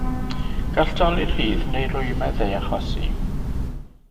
Gall dolur rhydd neu rwymedd ei achosi.